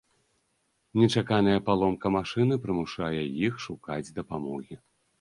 Нечаканая паломка машыны прымушае іх шукаць дапамогі.